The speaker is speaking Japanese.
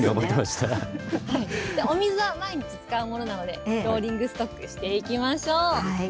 お水は毎日使うものなので、ローリングストックしていきましょう。